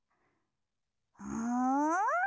うん？